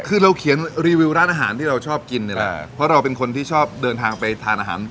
คือเราเขียนรีวิวร้านอาหารที่เราชอบกินนี่แหละเพราะเราเป็นคนที่ชอบเดินทางไปทานอาหาร